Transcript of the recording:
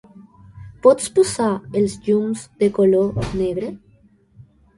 Pots posar els llums de color negre?